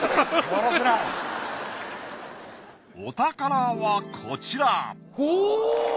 お宝はこちらお！